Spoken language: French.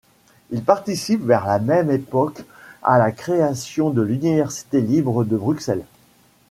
Il participe vers la même époque à la création de l'Université libre de Bruxelles.